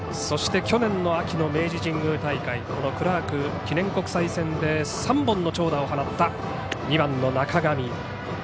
そして去年秋の明治神宮大会このクラーク記念国際戦で３本の長打を放った２番の中上。